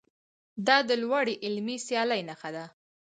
دا د لوړې علمي سیالۍ نښه ده.